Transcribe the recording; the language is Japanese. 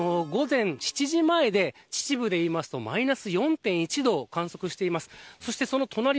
午前７時前で、秩父で言いますとマイナス４．１度を観測しています。